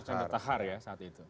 archandra thakar ya saat itu